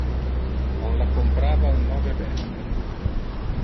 On la comprava un nove veste.